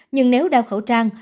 nhưng nếu đeo khẩu trang